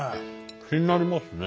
気になりますね